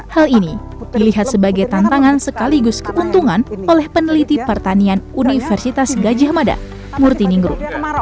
hal ini dilihat sebagai tantangan sekaligus keuntungan oleh peneliti pertanian universitas gajah mada murti ningrum